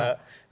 kasar cucu udah